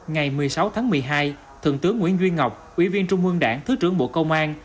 ngày một mươi sáu tháng một mươi hai thượng tướng nguyễn duy ngọc ủy viên trung ương đảng thứ trưởng bộ công an